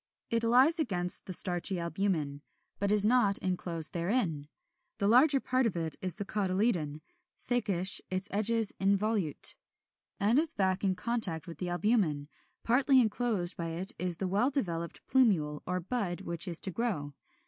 It lies against the starchy albumen, but is not enclosed therein. The larger part of it is the cotyledon, thickish, its edges involute, and its back in contact with the albumen; partly enclosed by it is the well developed plumule or bud which is to grow.